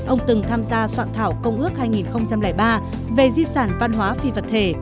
ông từng tham gia soạn thảo công ước hai nghìn ba về di sản văn hóa phi vật thể